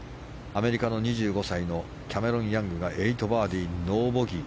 アメリカの２５歳のキャメロン・ヤングが８バーディー、ノーボギー。